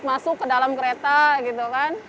masuk ke dalam kereta gitu kan